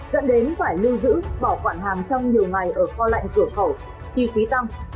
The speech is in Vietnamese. dẫn đến phải lưu giữ bảo quản hàng trong nhiều ngày ở kho lạnh cửa khẩu chi phí tăng